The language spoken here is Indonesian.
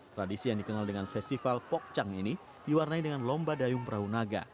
tradisi yang dikenal dengan festival pok chang ini diwarnai dengan lomba dayung perahu naga